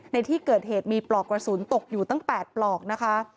ในที่เกิดเหตุมีปลอกกระสุนตกอยู่ตั้ง๘ปลอกนะคะ